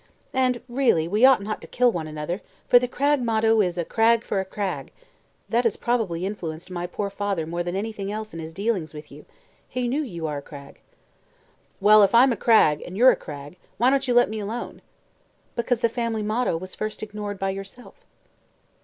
And, really, we ought not to kill one another, for the Cragg motto is 'a Cragg for a Cragg.' That has probably influenced my poor father more than anything else in his dealings with you. He knew you are a Cragg." "Well, if I'm a Cragg, and you're a Cragg, why don't you let me alone?" "Because the family motto was first ignored by yourself."